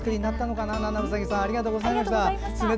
ななうさぎさんありがとうございました。